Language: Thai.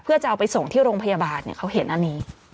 เพื่อจะเอาไปส่งที่โรงพยาบาลเขาเห็นอันนี้